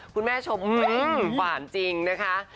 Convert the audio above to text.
คุณแม่ชมกว่านจริงนะคะ